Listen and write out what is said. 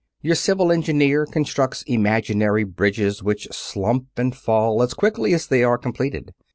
Your civil engineer constructs imaginary bridges which slump and fall as quickly as they are completed.